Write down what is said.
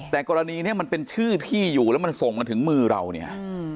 แต่กรณีนี้มันเป็นชื่อที่อยู่แล้วมันส่งมาถึงมือเราเนี่ย